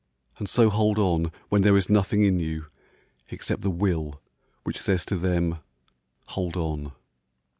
And so hold on when there is nothing in you Except the Will which says to them: 'Hold on!'